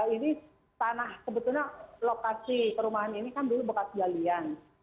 ini tanah sebetulnya lokasi perumahan ini kan dulu bekas galian